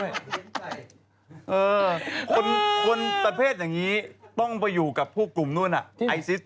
ใยคนประเภทอย่างนี้ต้องไปอยู่กับผู้กลุ่มนู้นนั่นอ่ะไอซิสนั่นไหนอย่างเดียว